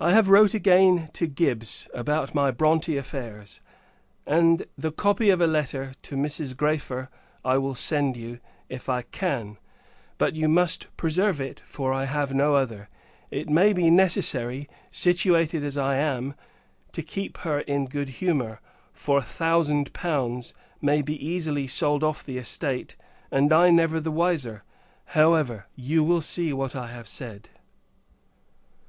I have wrote again to Gibbs, about my Bronte affairs; and [the copy of a letter] to Mrs. Græfer I will send you, if I can; but you must preserve it, for I have no other. It may be necessary, situated as I am, to keep her in good humour; for a thousand pounds may be easily sold off the estate, and I never the wiser. However, you will see what I have said.